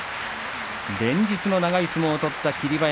連日長い相撲を取った霧馬山。